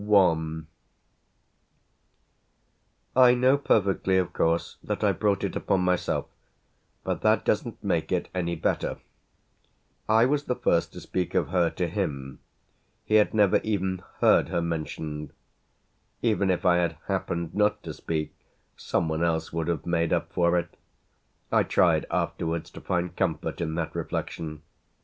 I I know perfectly of course that I brought it upon myself; but that doesn't make it any better. I was the first to speak of her to him he had never even heard her mentioned. Even if I had happened not to speak some one else would have made up for it: I tried afterwards to find comfort in that reflection.